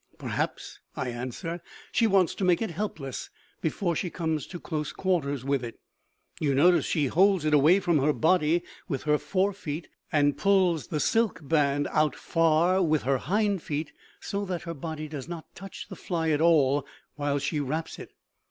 "Perhaps," I answer, "she wants to make it helpless before she comes to close quarters with it. You notice she holds it away from her body with her fore feet and pulls the silk band out far with her hind feet so that her body does not touch the fly at all while she wraps it.